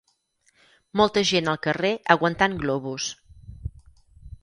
Molta gent al carrer aguantant globus